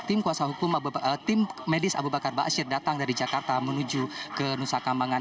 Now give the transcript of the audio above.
tim medis aba bakar aba asyir datang dari jakarta menuju ke nusa kambangan